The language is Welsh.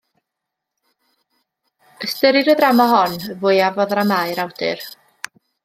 Ystyrir y ddrama hon y fwyaf o ddramâu'r awdur.